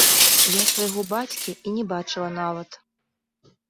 Я свайго бацькі і не бачыла нават.